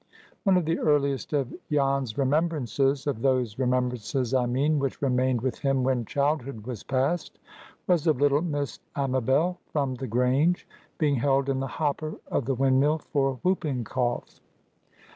ONE of the earliest of Jan's remembrances—of those remembrances, I mean, which remained with him when childhood was past—was of little Miss Amabel, from the Grange, being held in the hopper of the windmill for whooping cough.